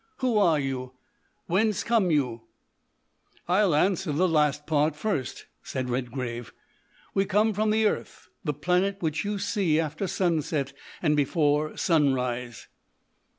"Who are you? Whence come you?" "I'll answer the last part first," said Redgrave. "We come from the earth, the planet which you see after sunset and before sunrise."